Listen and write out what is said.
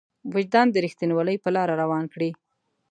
وجدان د رښتينولۍ په لاره روان کړي.